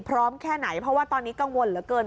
พร้อมแค่ไหนเพราะว่าตอนนี้กังวลเหลือเกิน